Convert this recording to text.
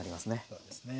そうですね。